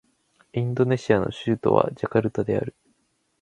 インドネシアの首都はジャカルタである